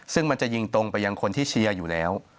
ซึ่งมันจะยิงตรงไปยังคนที่เชียร์อยู่แล้ว